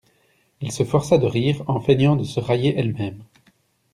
Elle se força de rire, en feignant de se railler elle-même.